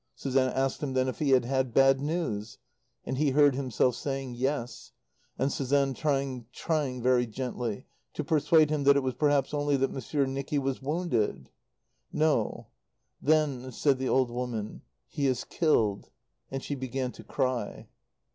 Suzanne asked him then if he had had bad news? And he heard himself saying: "Yes," and Suzanne trying, trying very gently, to persuade him that it was perhaps only that Monsieur Nicky was wounded? "No? Then," said the old woman, "he is killed." And she began to cry.